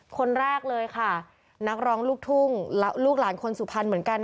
คนแรกเลยค่ะนักร้องลูกทุ่งและลูกหลานคนสุพรรณเหมือนกัน